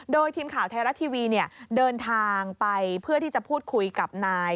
โดยทีมข่าวไทยรัฐทีวีเดินทางไปเพื่อที่จะพูดคุยกับนาย